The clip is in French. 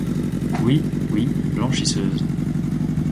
Oui, oui, blanchisseuse.